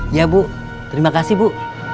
iya bu terima kasih bu